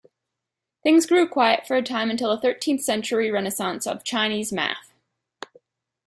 Things grew quiet for a time until the thirteenth century Renaissance of Chinese math.